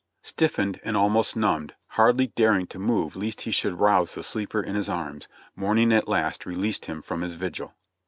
Stiffened and almost numbed, hardly daring to move lest he should rouse the sleeper in his arms, morning at last released him from his vigil.